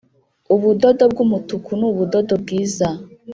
Ubudodo bw umutuku ni ubudodo bwiza